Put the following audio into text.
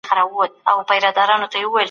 د ولسي جرګي دارالانشا به اداري چاري سمبال کړي.